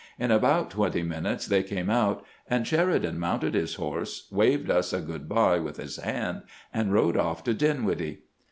In about twenty minutes they came out, and Sheridan mounted his horse, waved us a good by with his hand, and rode off to Din widdle.